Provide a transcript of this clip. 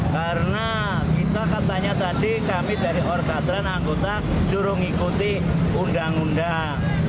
karena kita katanya tadi kami dari orgatran anggota suruh mengikuti undang undang